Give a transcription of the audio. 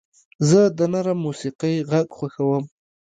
زه د نرم موسیقۍ غږ خوښوم.